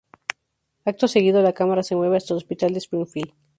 Acto seguido, la cámara se mueve hasta el hospital de Springfield.